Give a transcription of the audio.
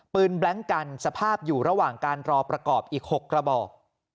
แบล็งกันสภาพอยู่ระหว่างการรอประกอบอีก๖กระบอก